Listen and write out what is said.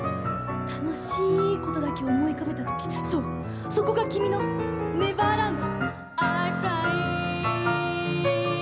楽しいことだけ思い浮かべた時、そう、そこが君のネバーランド」。